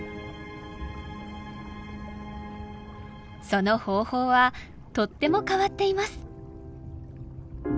その方法はとっても変わっています。